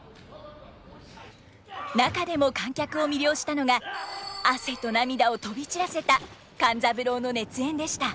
中でも観客を魅了したのが汗と涙を飛び散らせた勘三郎の熱演でした。